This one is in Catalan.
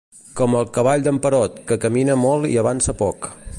Com el cavall d'en Perot, que camina molt i avança poc.